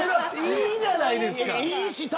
いいじゃないですか。